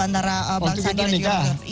oh itu kita nikah